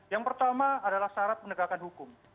yang pertama adalah syarat menegakkan hukum